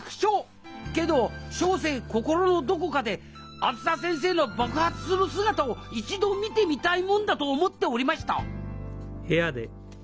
けど小生心のどこかであづさ先生の爆発する姿を一度見てみたいもんだと思っておりました